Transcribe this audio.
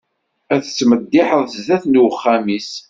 Ad tmeddiḥen sdat n uxxam-is.